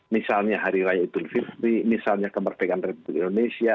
misalnya hari raya idul fitri misalnya kemerdekaan republik indonesia